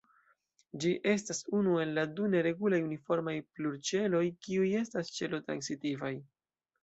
Ĝi estas unu el la du ne-regulaj uniformaj plurĉeloj kiuj estas ĉelo-transitivaj.